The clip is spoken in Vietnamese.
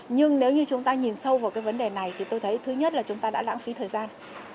nhưng nếu như chúng ta nhìn sâu vào cái vấn đề này thì tôi thấy thứ nhất là chúng ta đã lãng phí thời gian